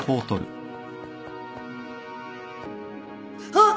あっ！